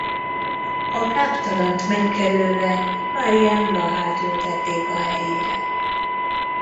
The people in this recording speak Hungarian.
A káptalant megkerülve Marián Blahát ültették a helyére.